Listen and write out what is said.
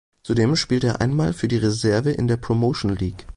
Zudem spielte er einmal für die Reserve in der Promotion League.